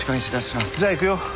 じゃあいくよ。